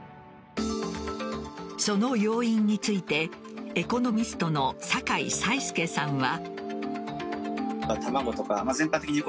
その要因についてエコノミストの酒井才介さんは。